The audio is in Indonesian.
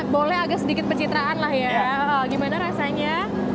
boleh agak sedikit pencitraan lah ya gimana rasanya